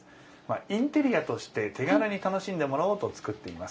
インテリアとして手軽に楽しんでもらおうと作っています。